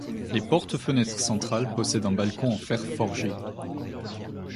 Les portes-fenêtres centrales possèdent un balcon en fer forgé.